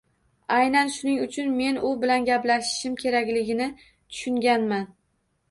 Aynan shuning uchun men u bilan gaplashishim kerakligini tushunganman.